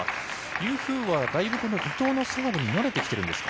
ユー・フーはだいぶこの伊藤のサーブに慣れてきているんですか。